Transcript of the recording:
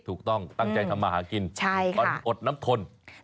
ถูกต้องตั้งใจทำมาหากินตอนอดน้ำทน